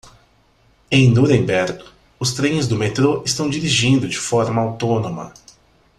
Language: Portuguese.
Em Nuremberg, os trens do metrô estão dirigindo de forma autônoma.